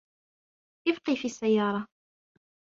إبقى في السيارة